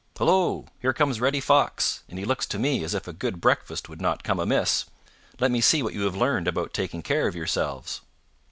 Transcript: Hello! Here comes Reddy Fox, and he looks to me as if a good breakfast would not come amiss. Let me see what you have learned about taking care of yourselves."